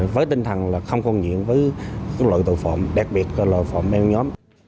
với tinh thần là không còn nhiễm với các loại tội phạm đặc biệt là loại tội phạm bên nhóm